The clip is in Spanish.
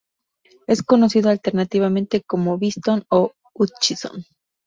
Es conocido alternativamente como Beeston y Hutchison.